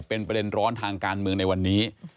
เป็นประเด็นร้อนทางการเมืองในวันนี้